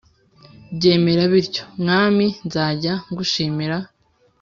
byamera bityo, mwami, nzajya ngushimira,